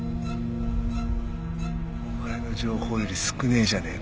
お前の情報より少ねえじゃねえか。